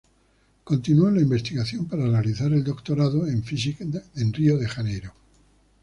Continuó en la investigación para realizar el doctorado en física en Río de Janeiro.